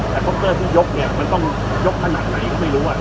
แต่คอปเตอร์ที่ยกเนี่ยมันต้องยกขนาดไหนก็ไม่รู้